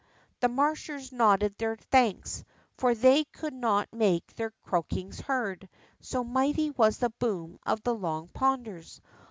" The Marshers nodded their thanks, for they could not make their croakings heard, so mighty was the boom of the Long Ponders.